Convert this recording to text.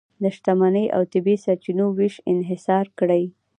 د شتمنۍ او طبیعي سرچینو وېش انحصار کړي.